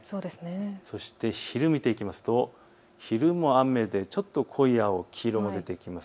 そして昼を見ていきますと昼も雨でちょっと濃い青、黄色も出てきます。